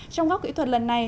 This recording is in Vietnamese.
trong góc kỹ thuật lần này